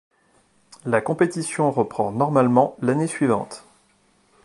La compétition reprend normalement l'année suivante.